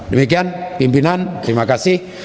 demikian pimpinan terima kasih